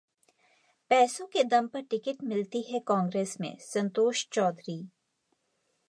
पैसों के दम पर टिकट मिलती है कांग्रेस में: संतोष चौधरी